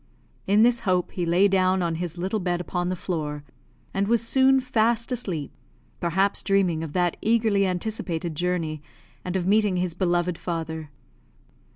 In this hope he lay down on his little bed upon the floor, and was soon fast asleep; perhaps dreaming of that eagerly anticipated journey, and of meeting his beloved father.